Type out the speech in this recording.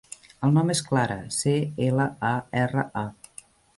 El nom és Clara: ce, ela, a, erra, a.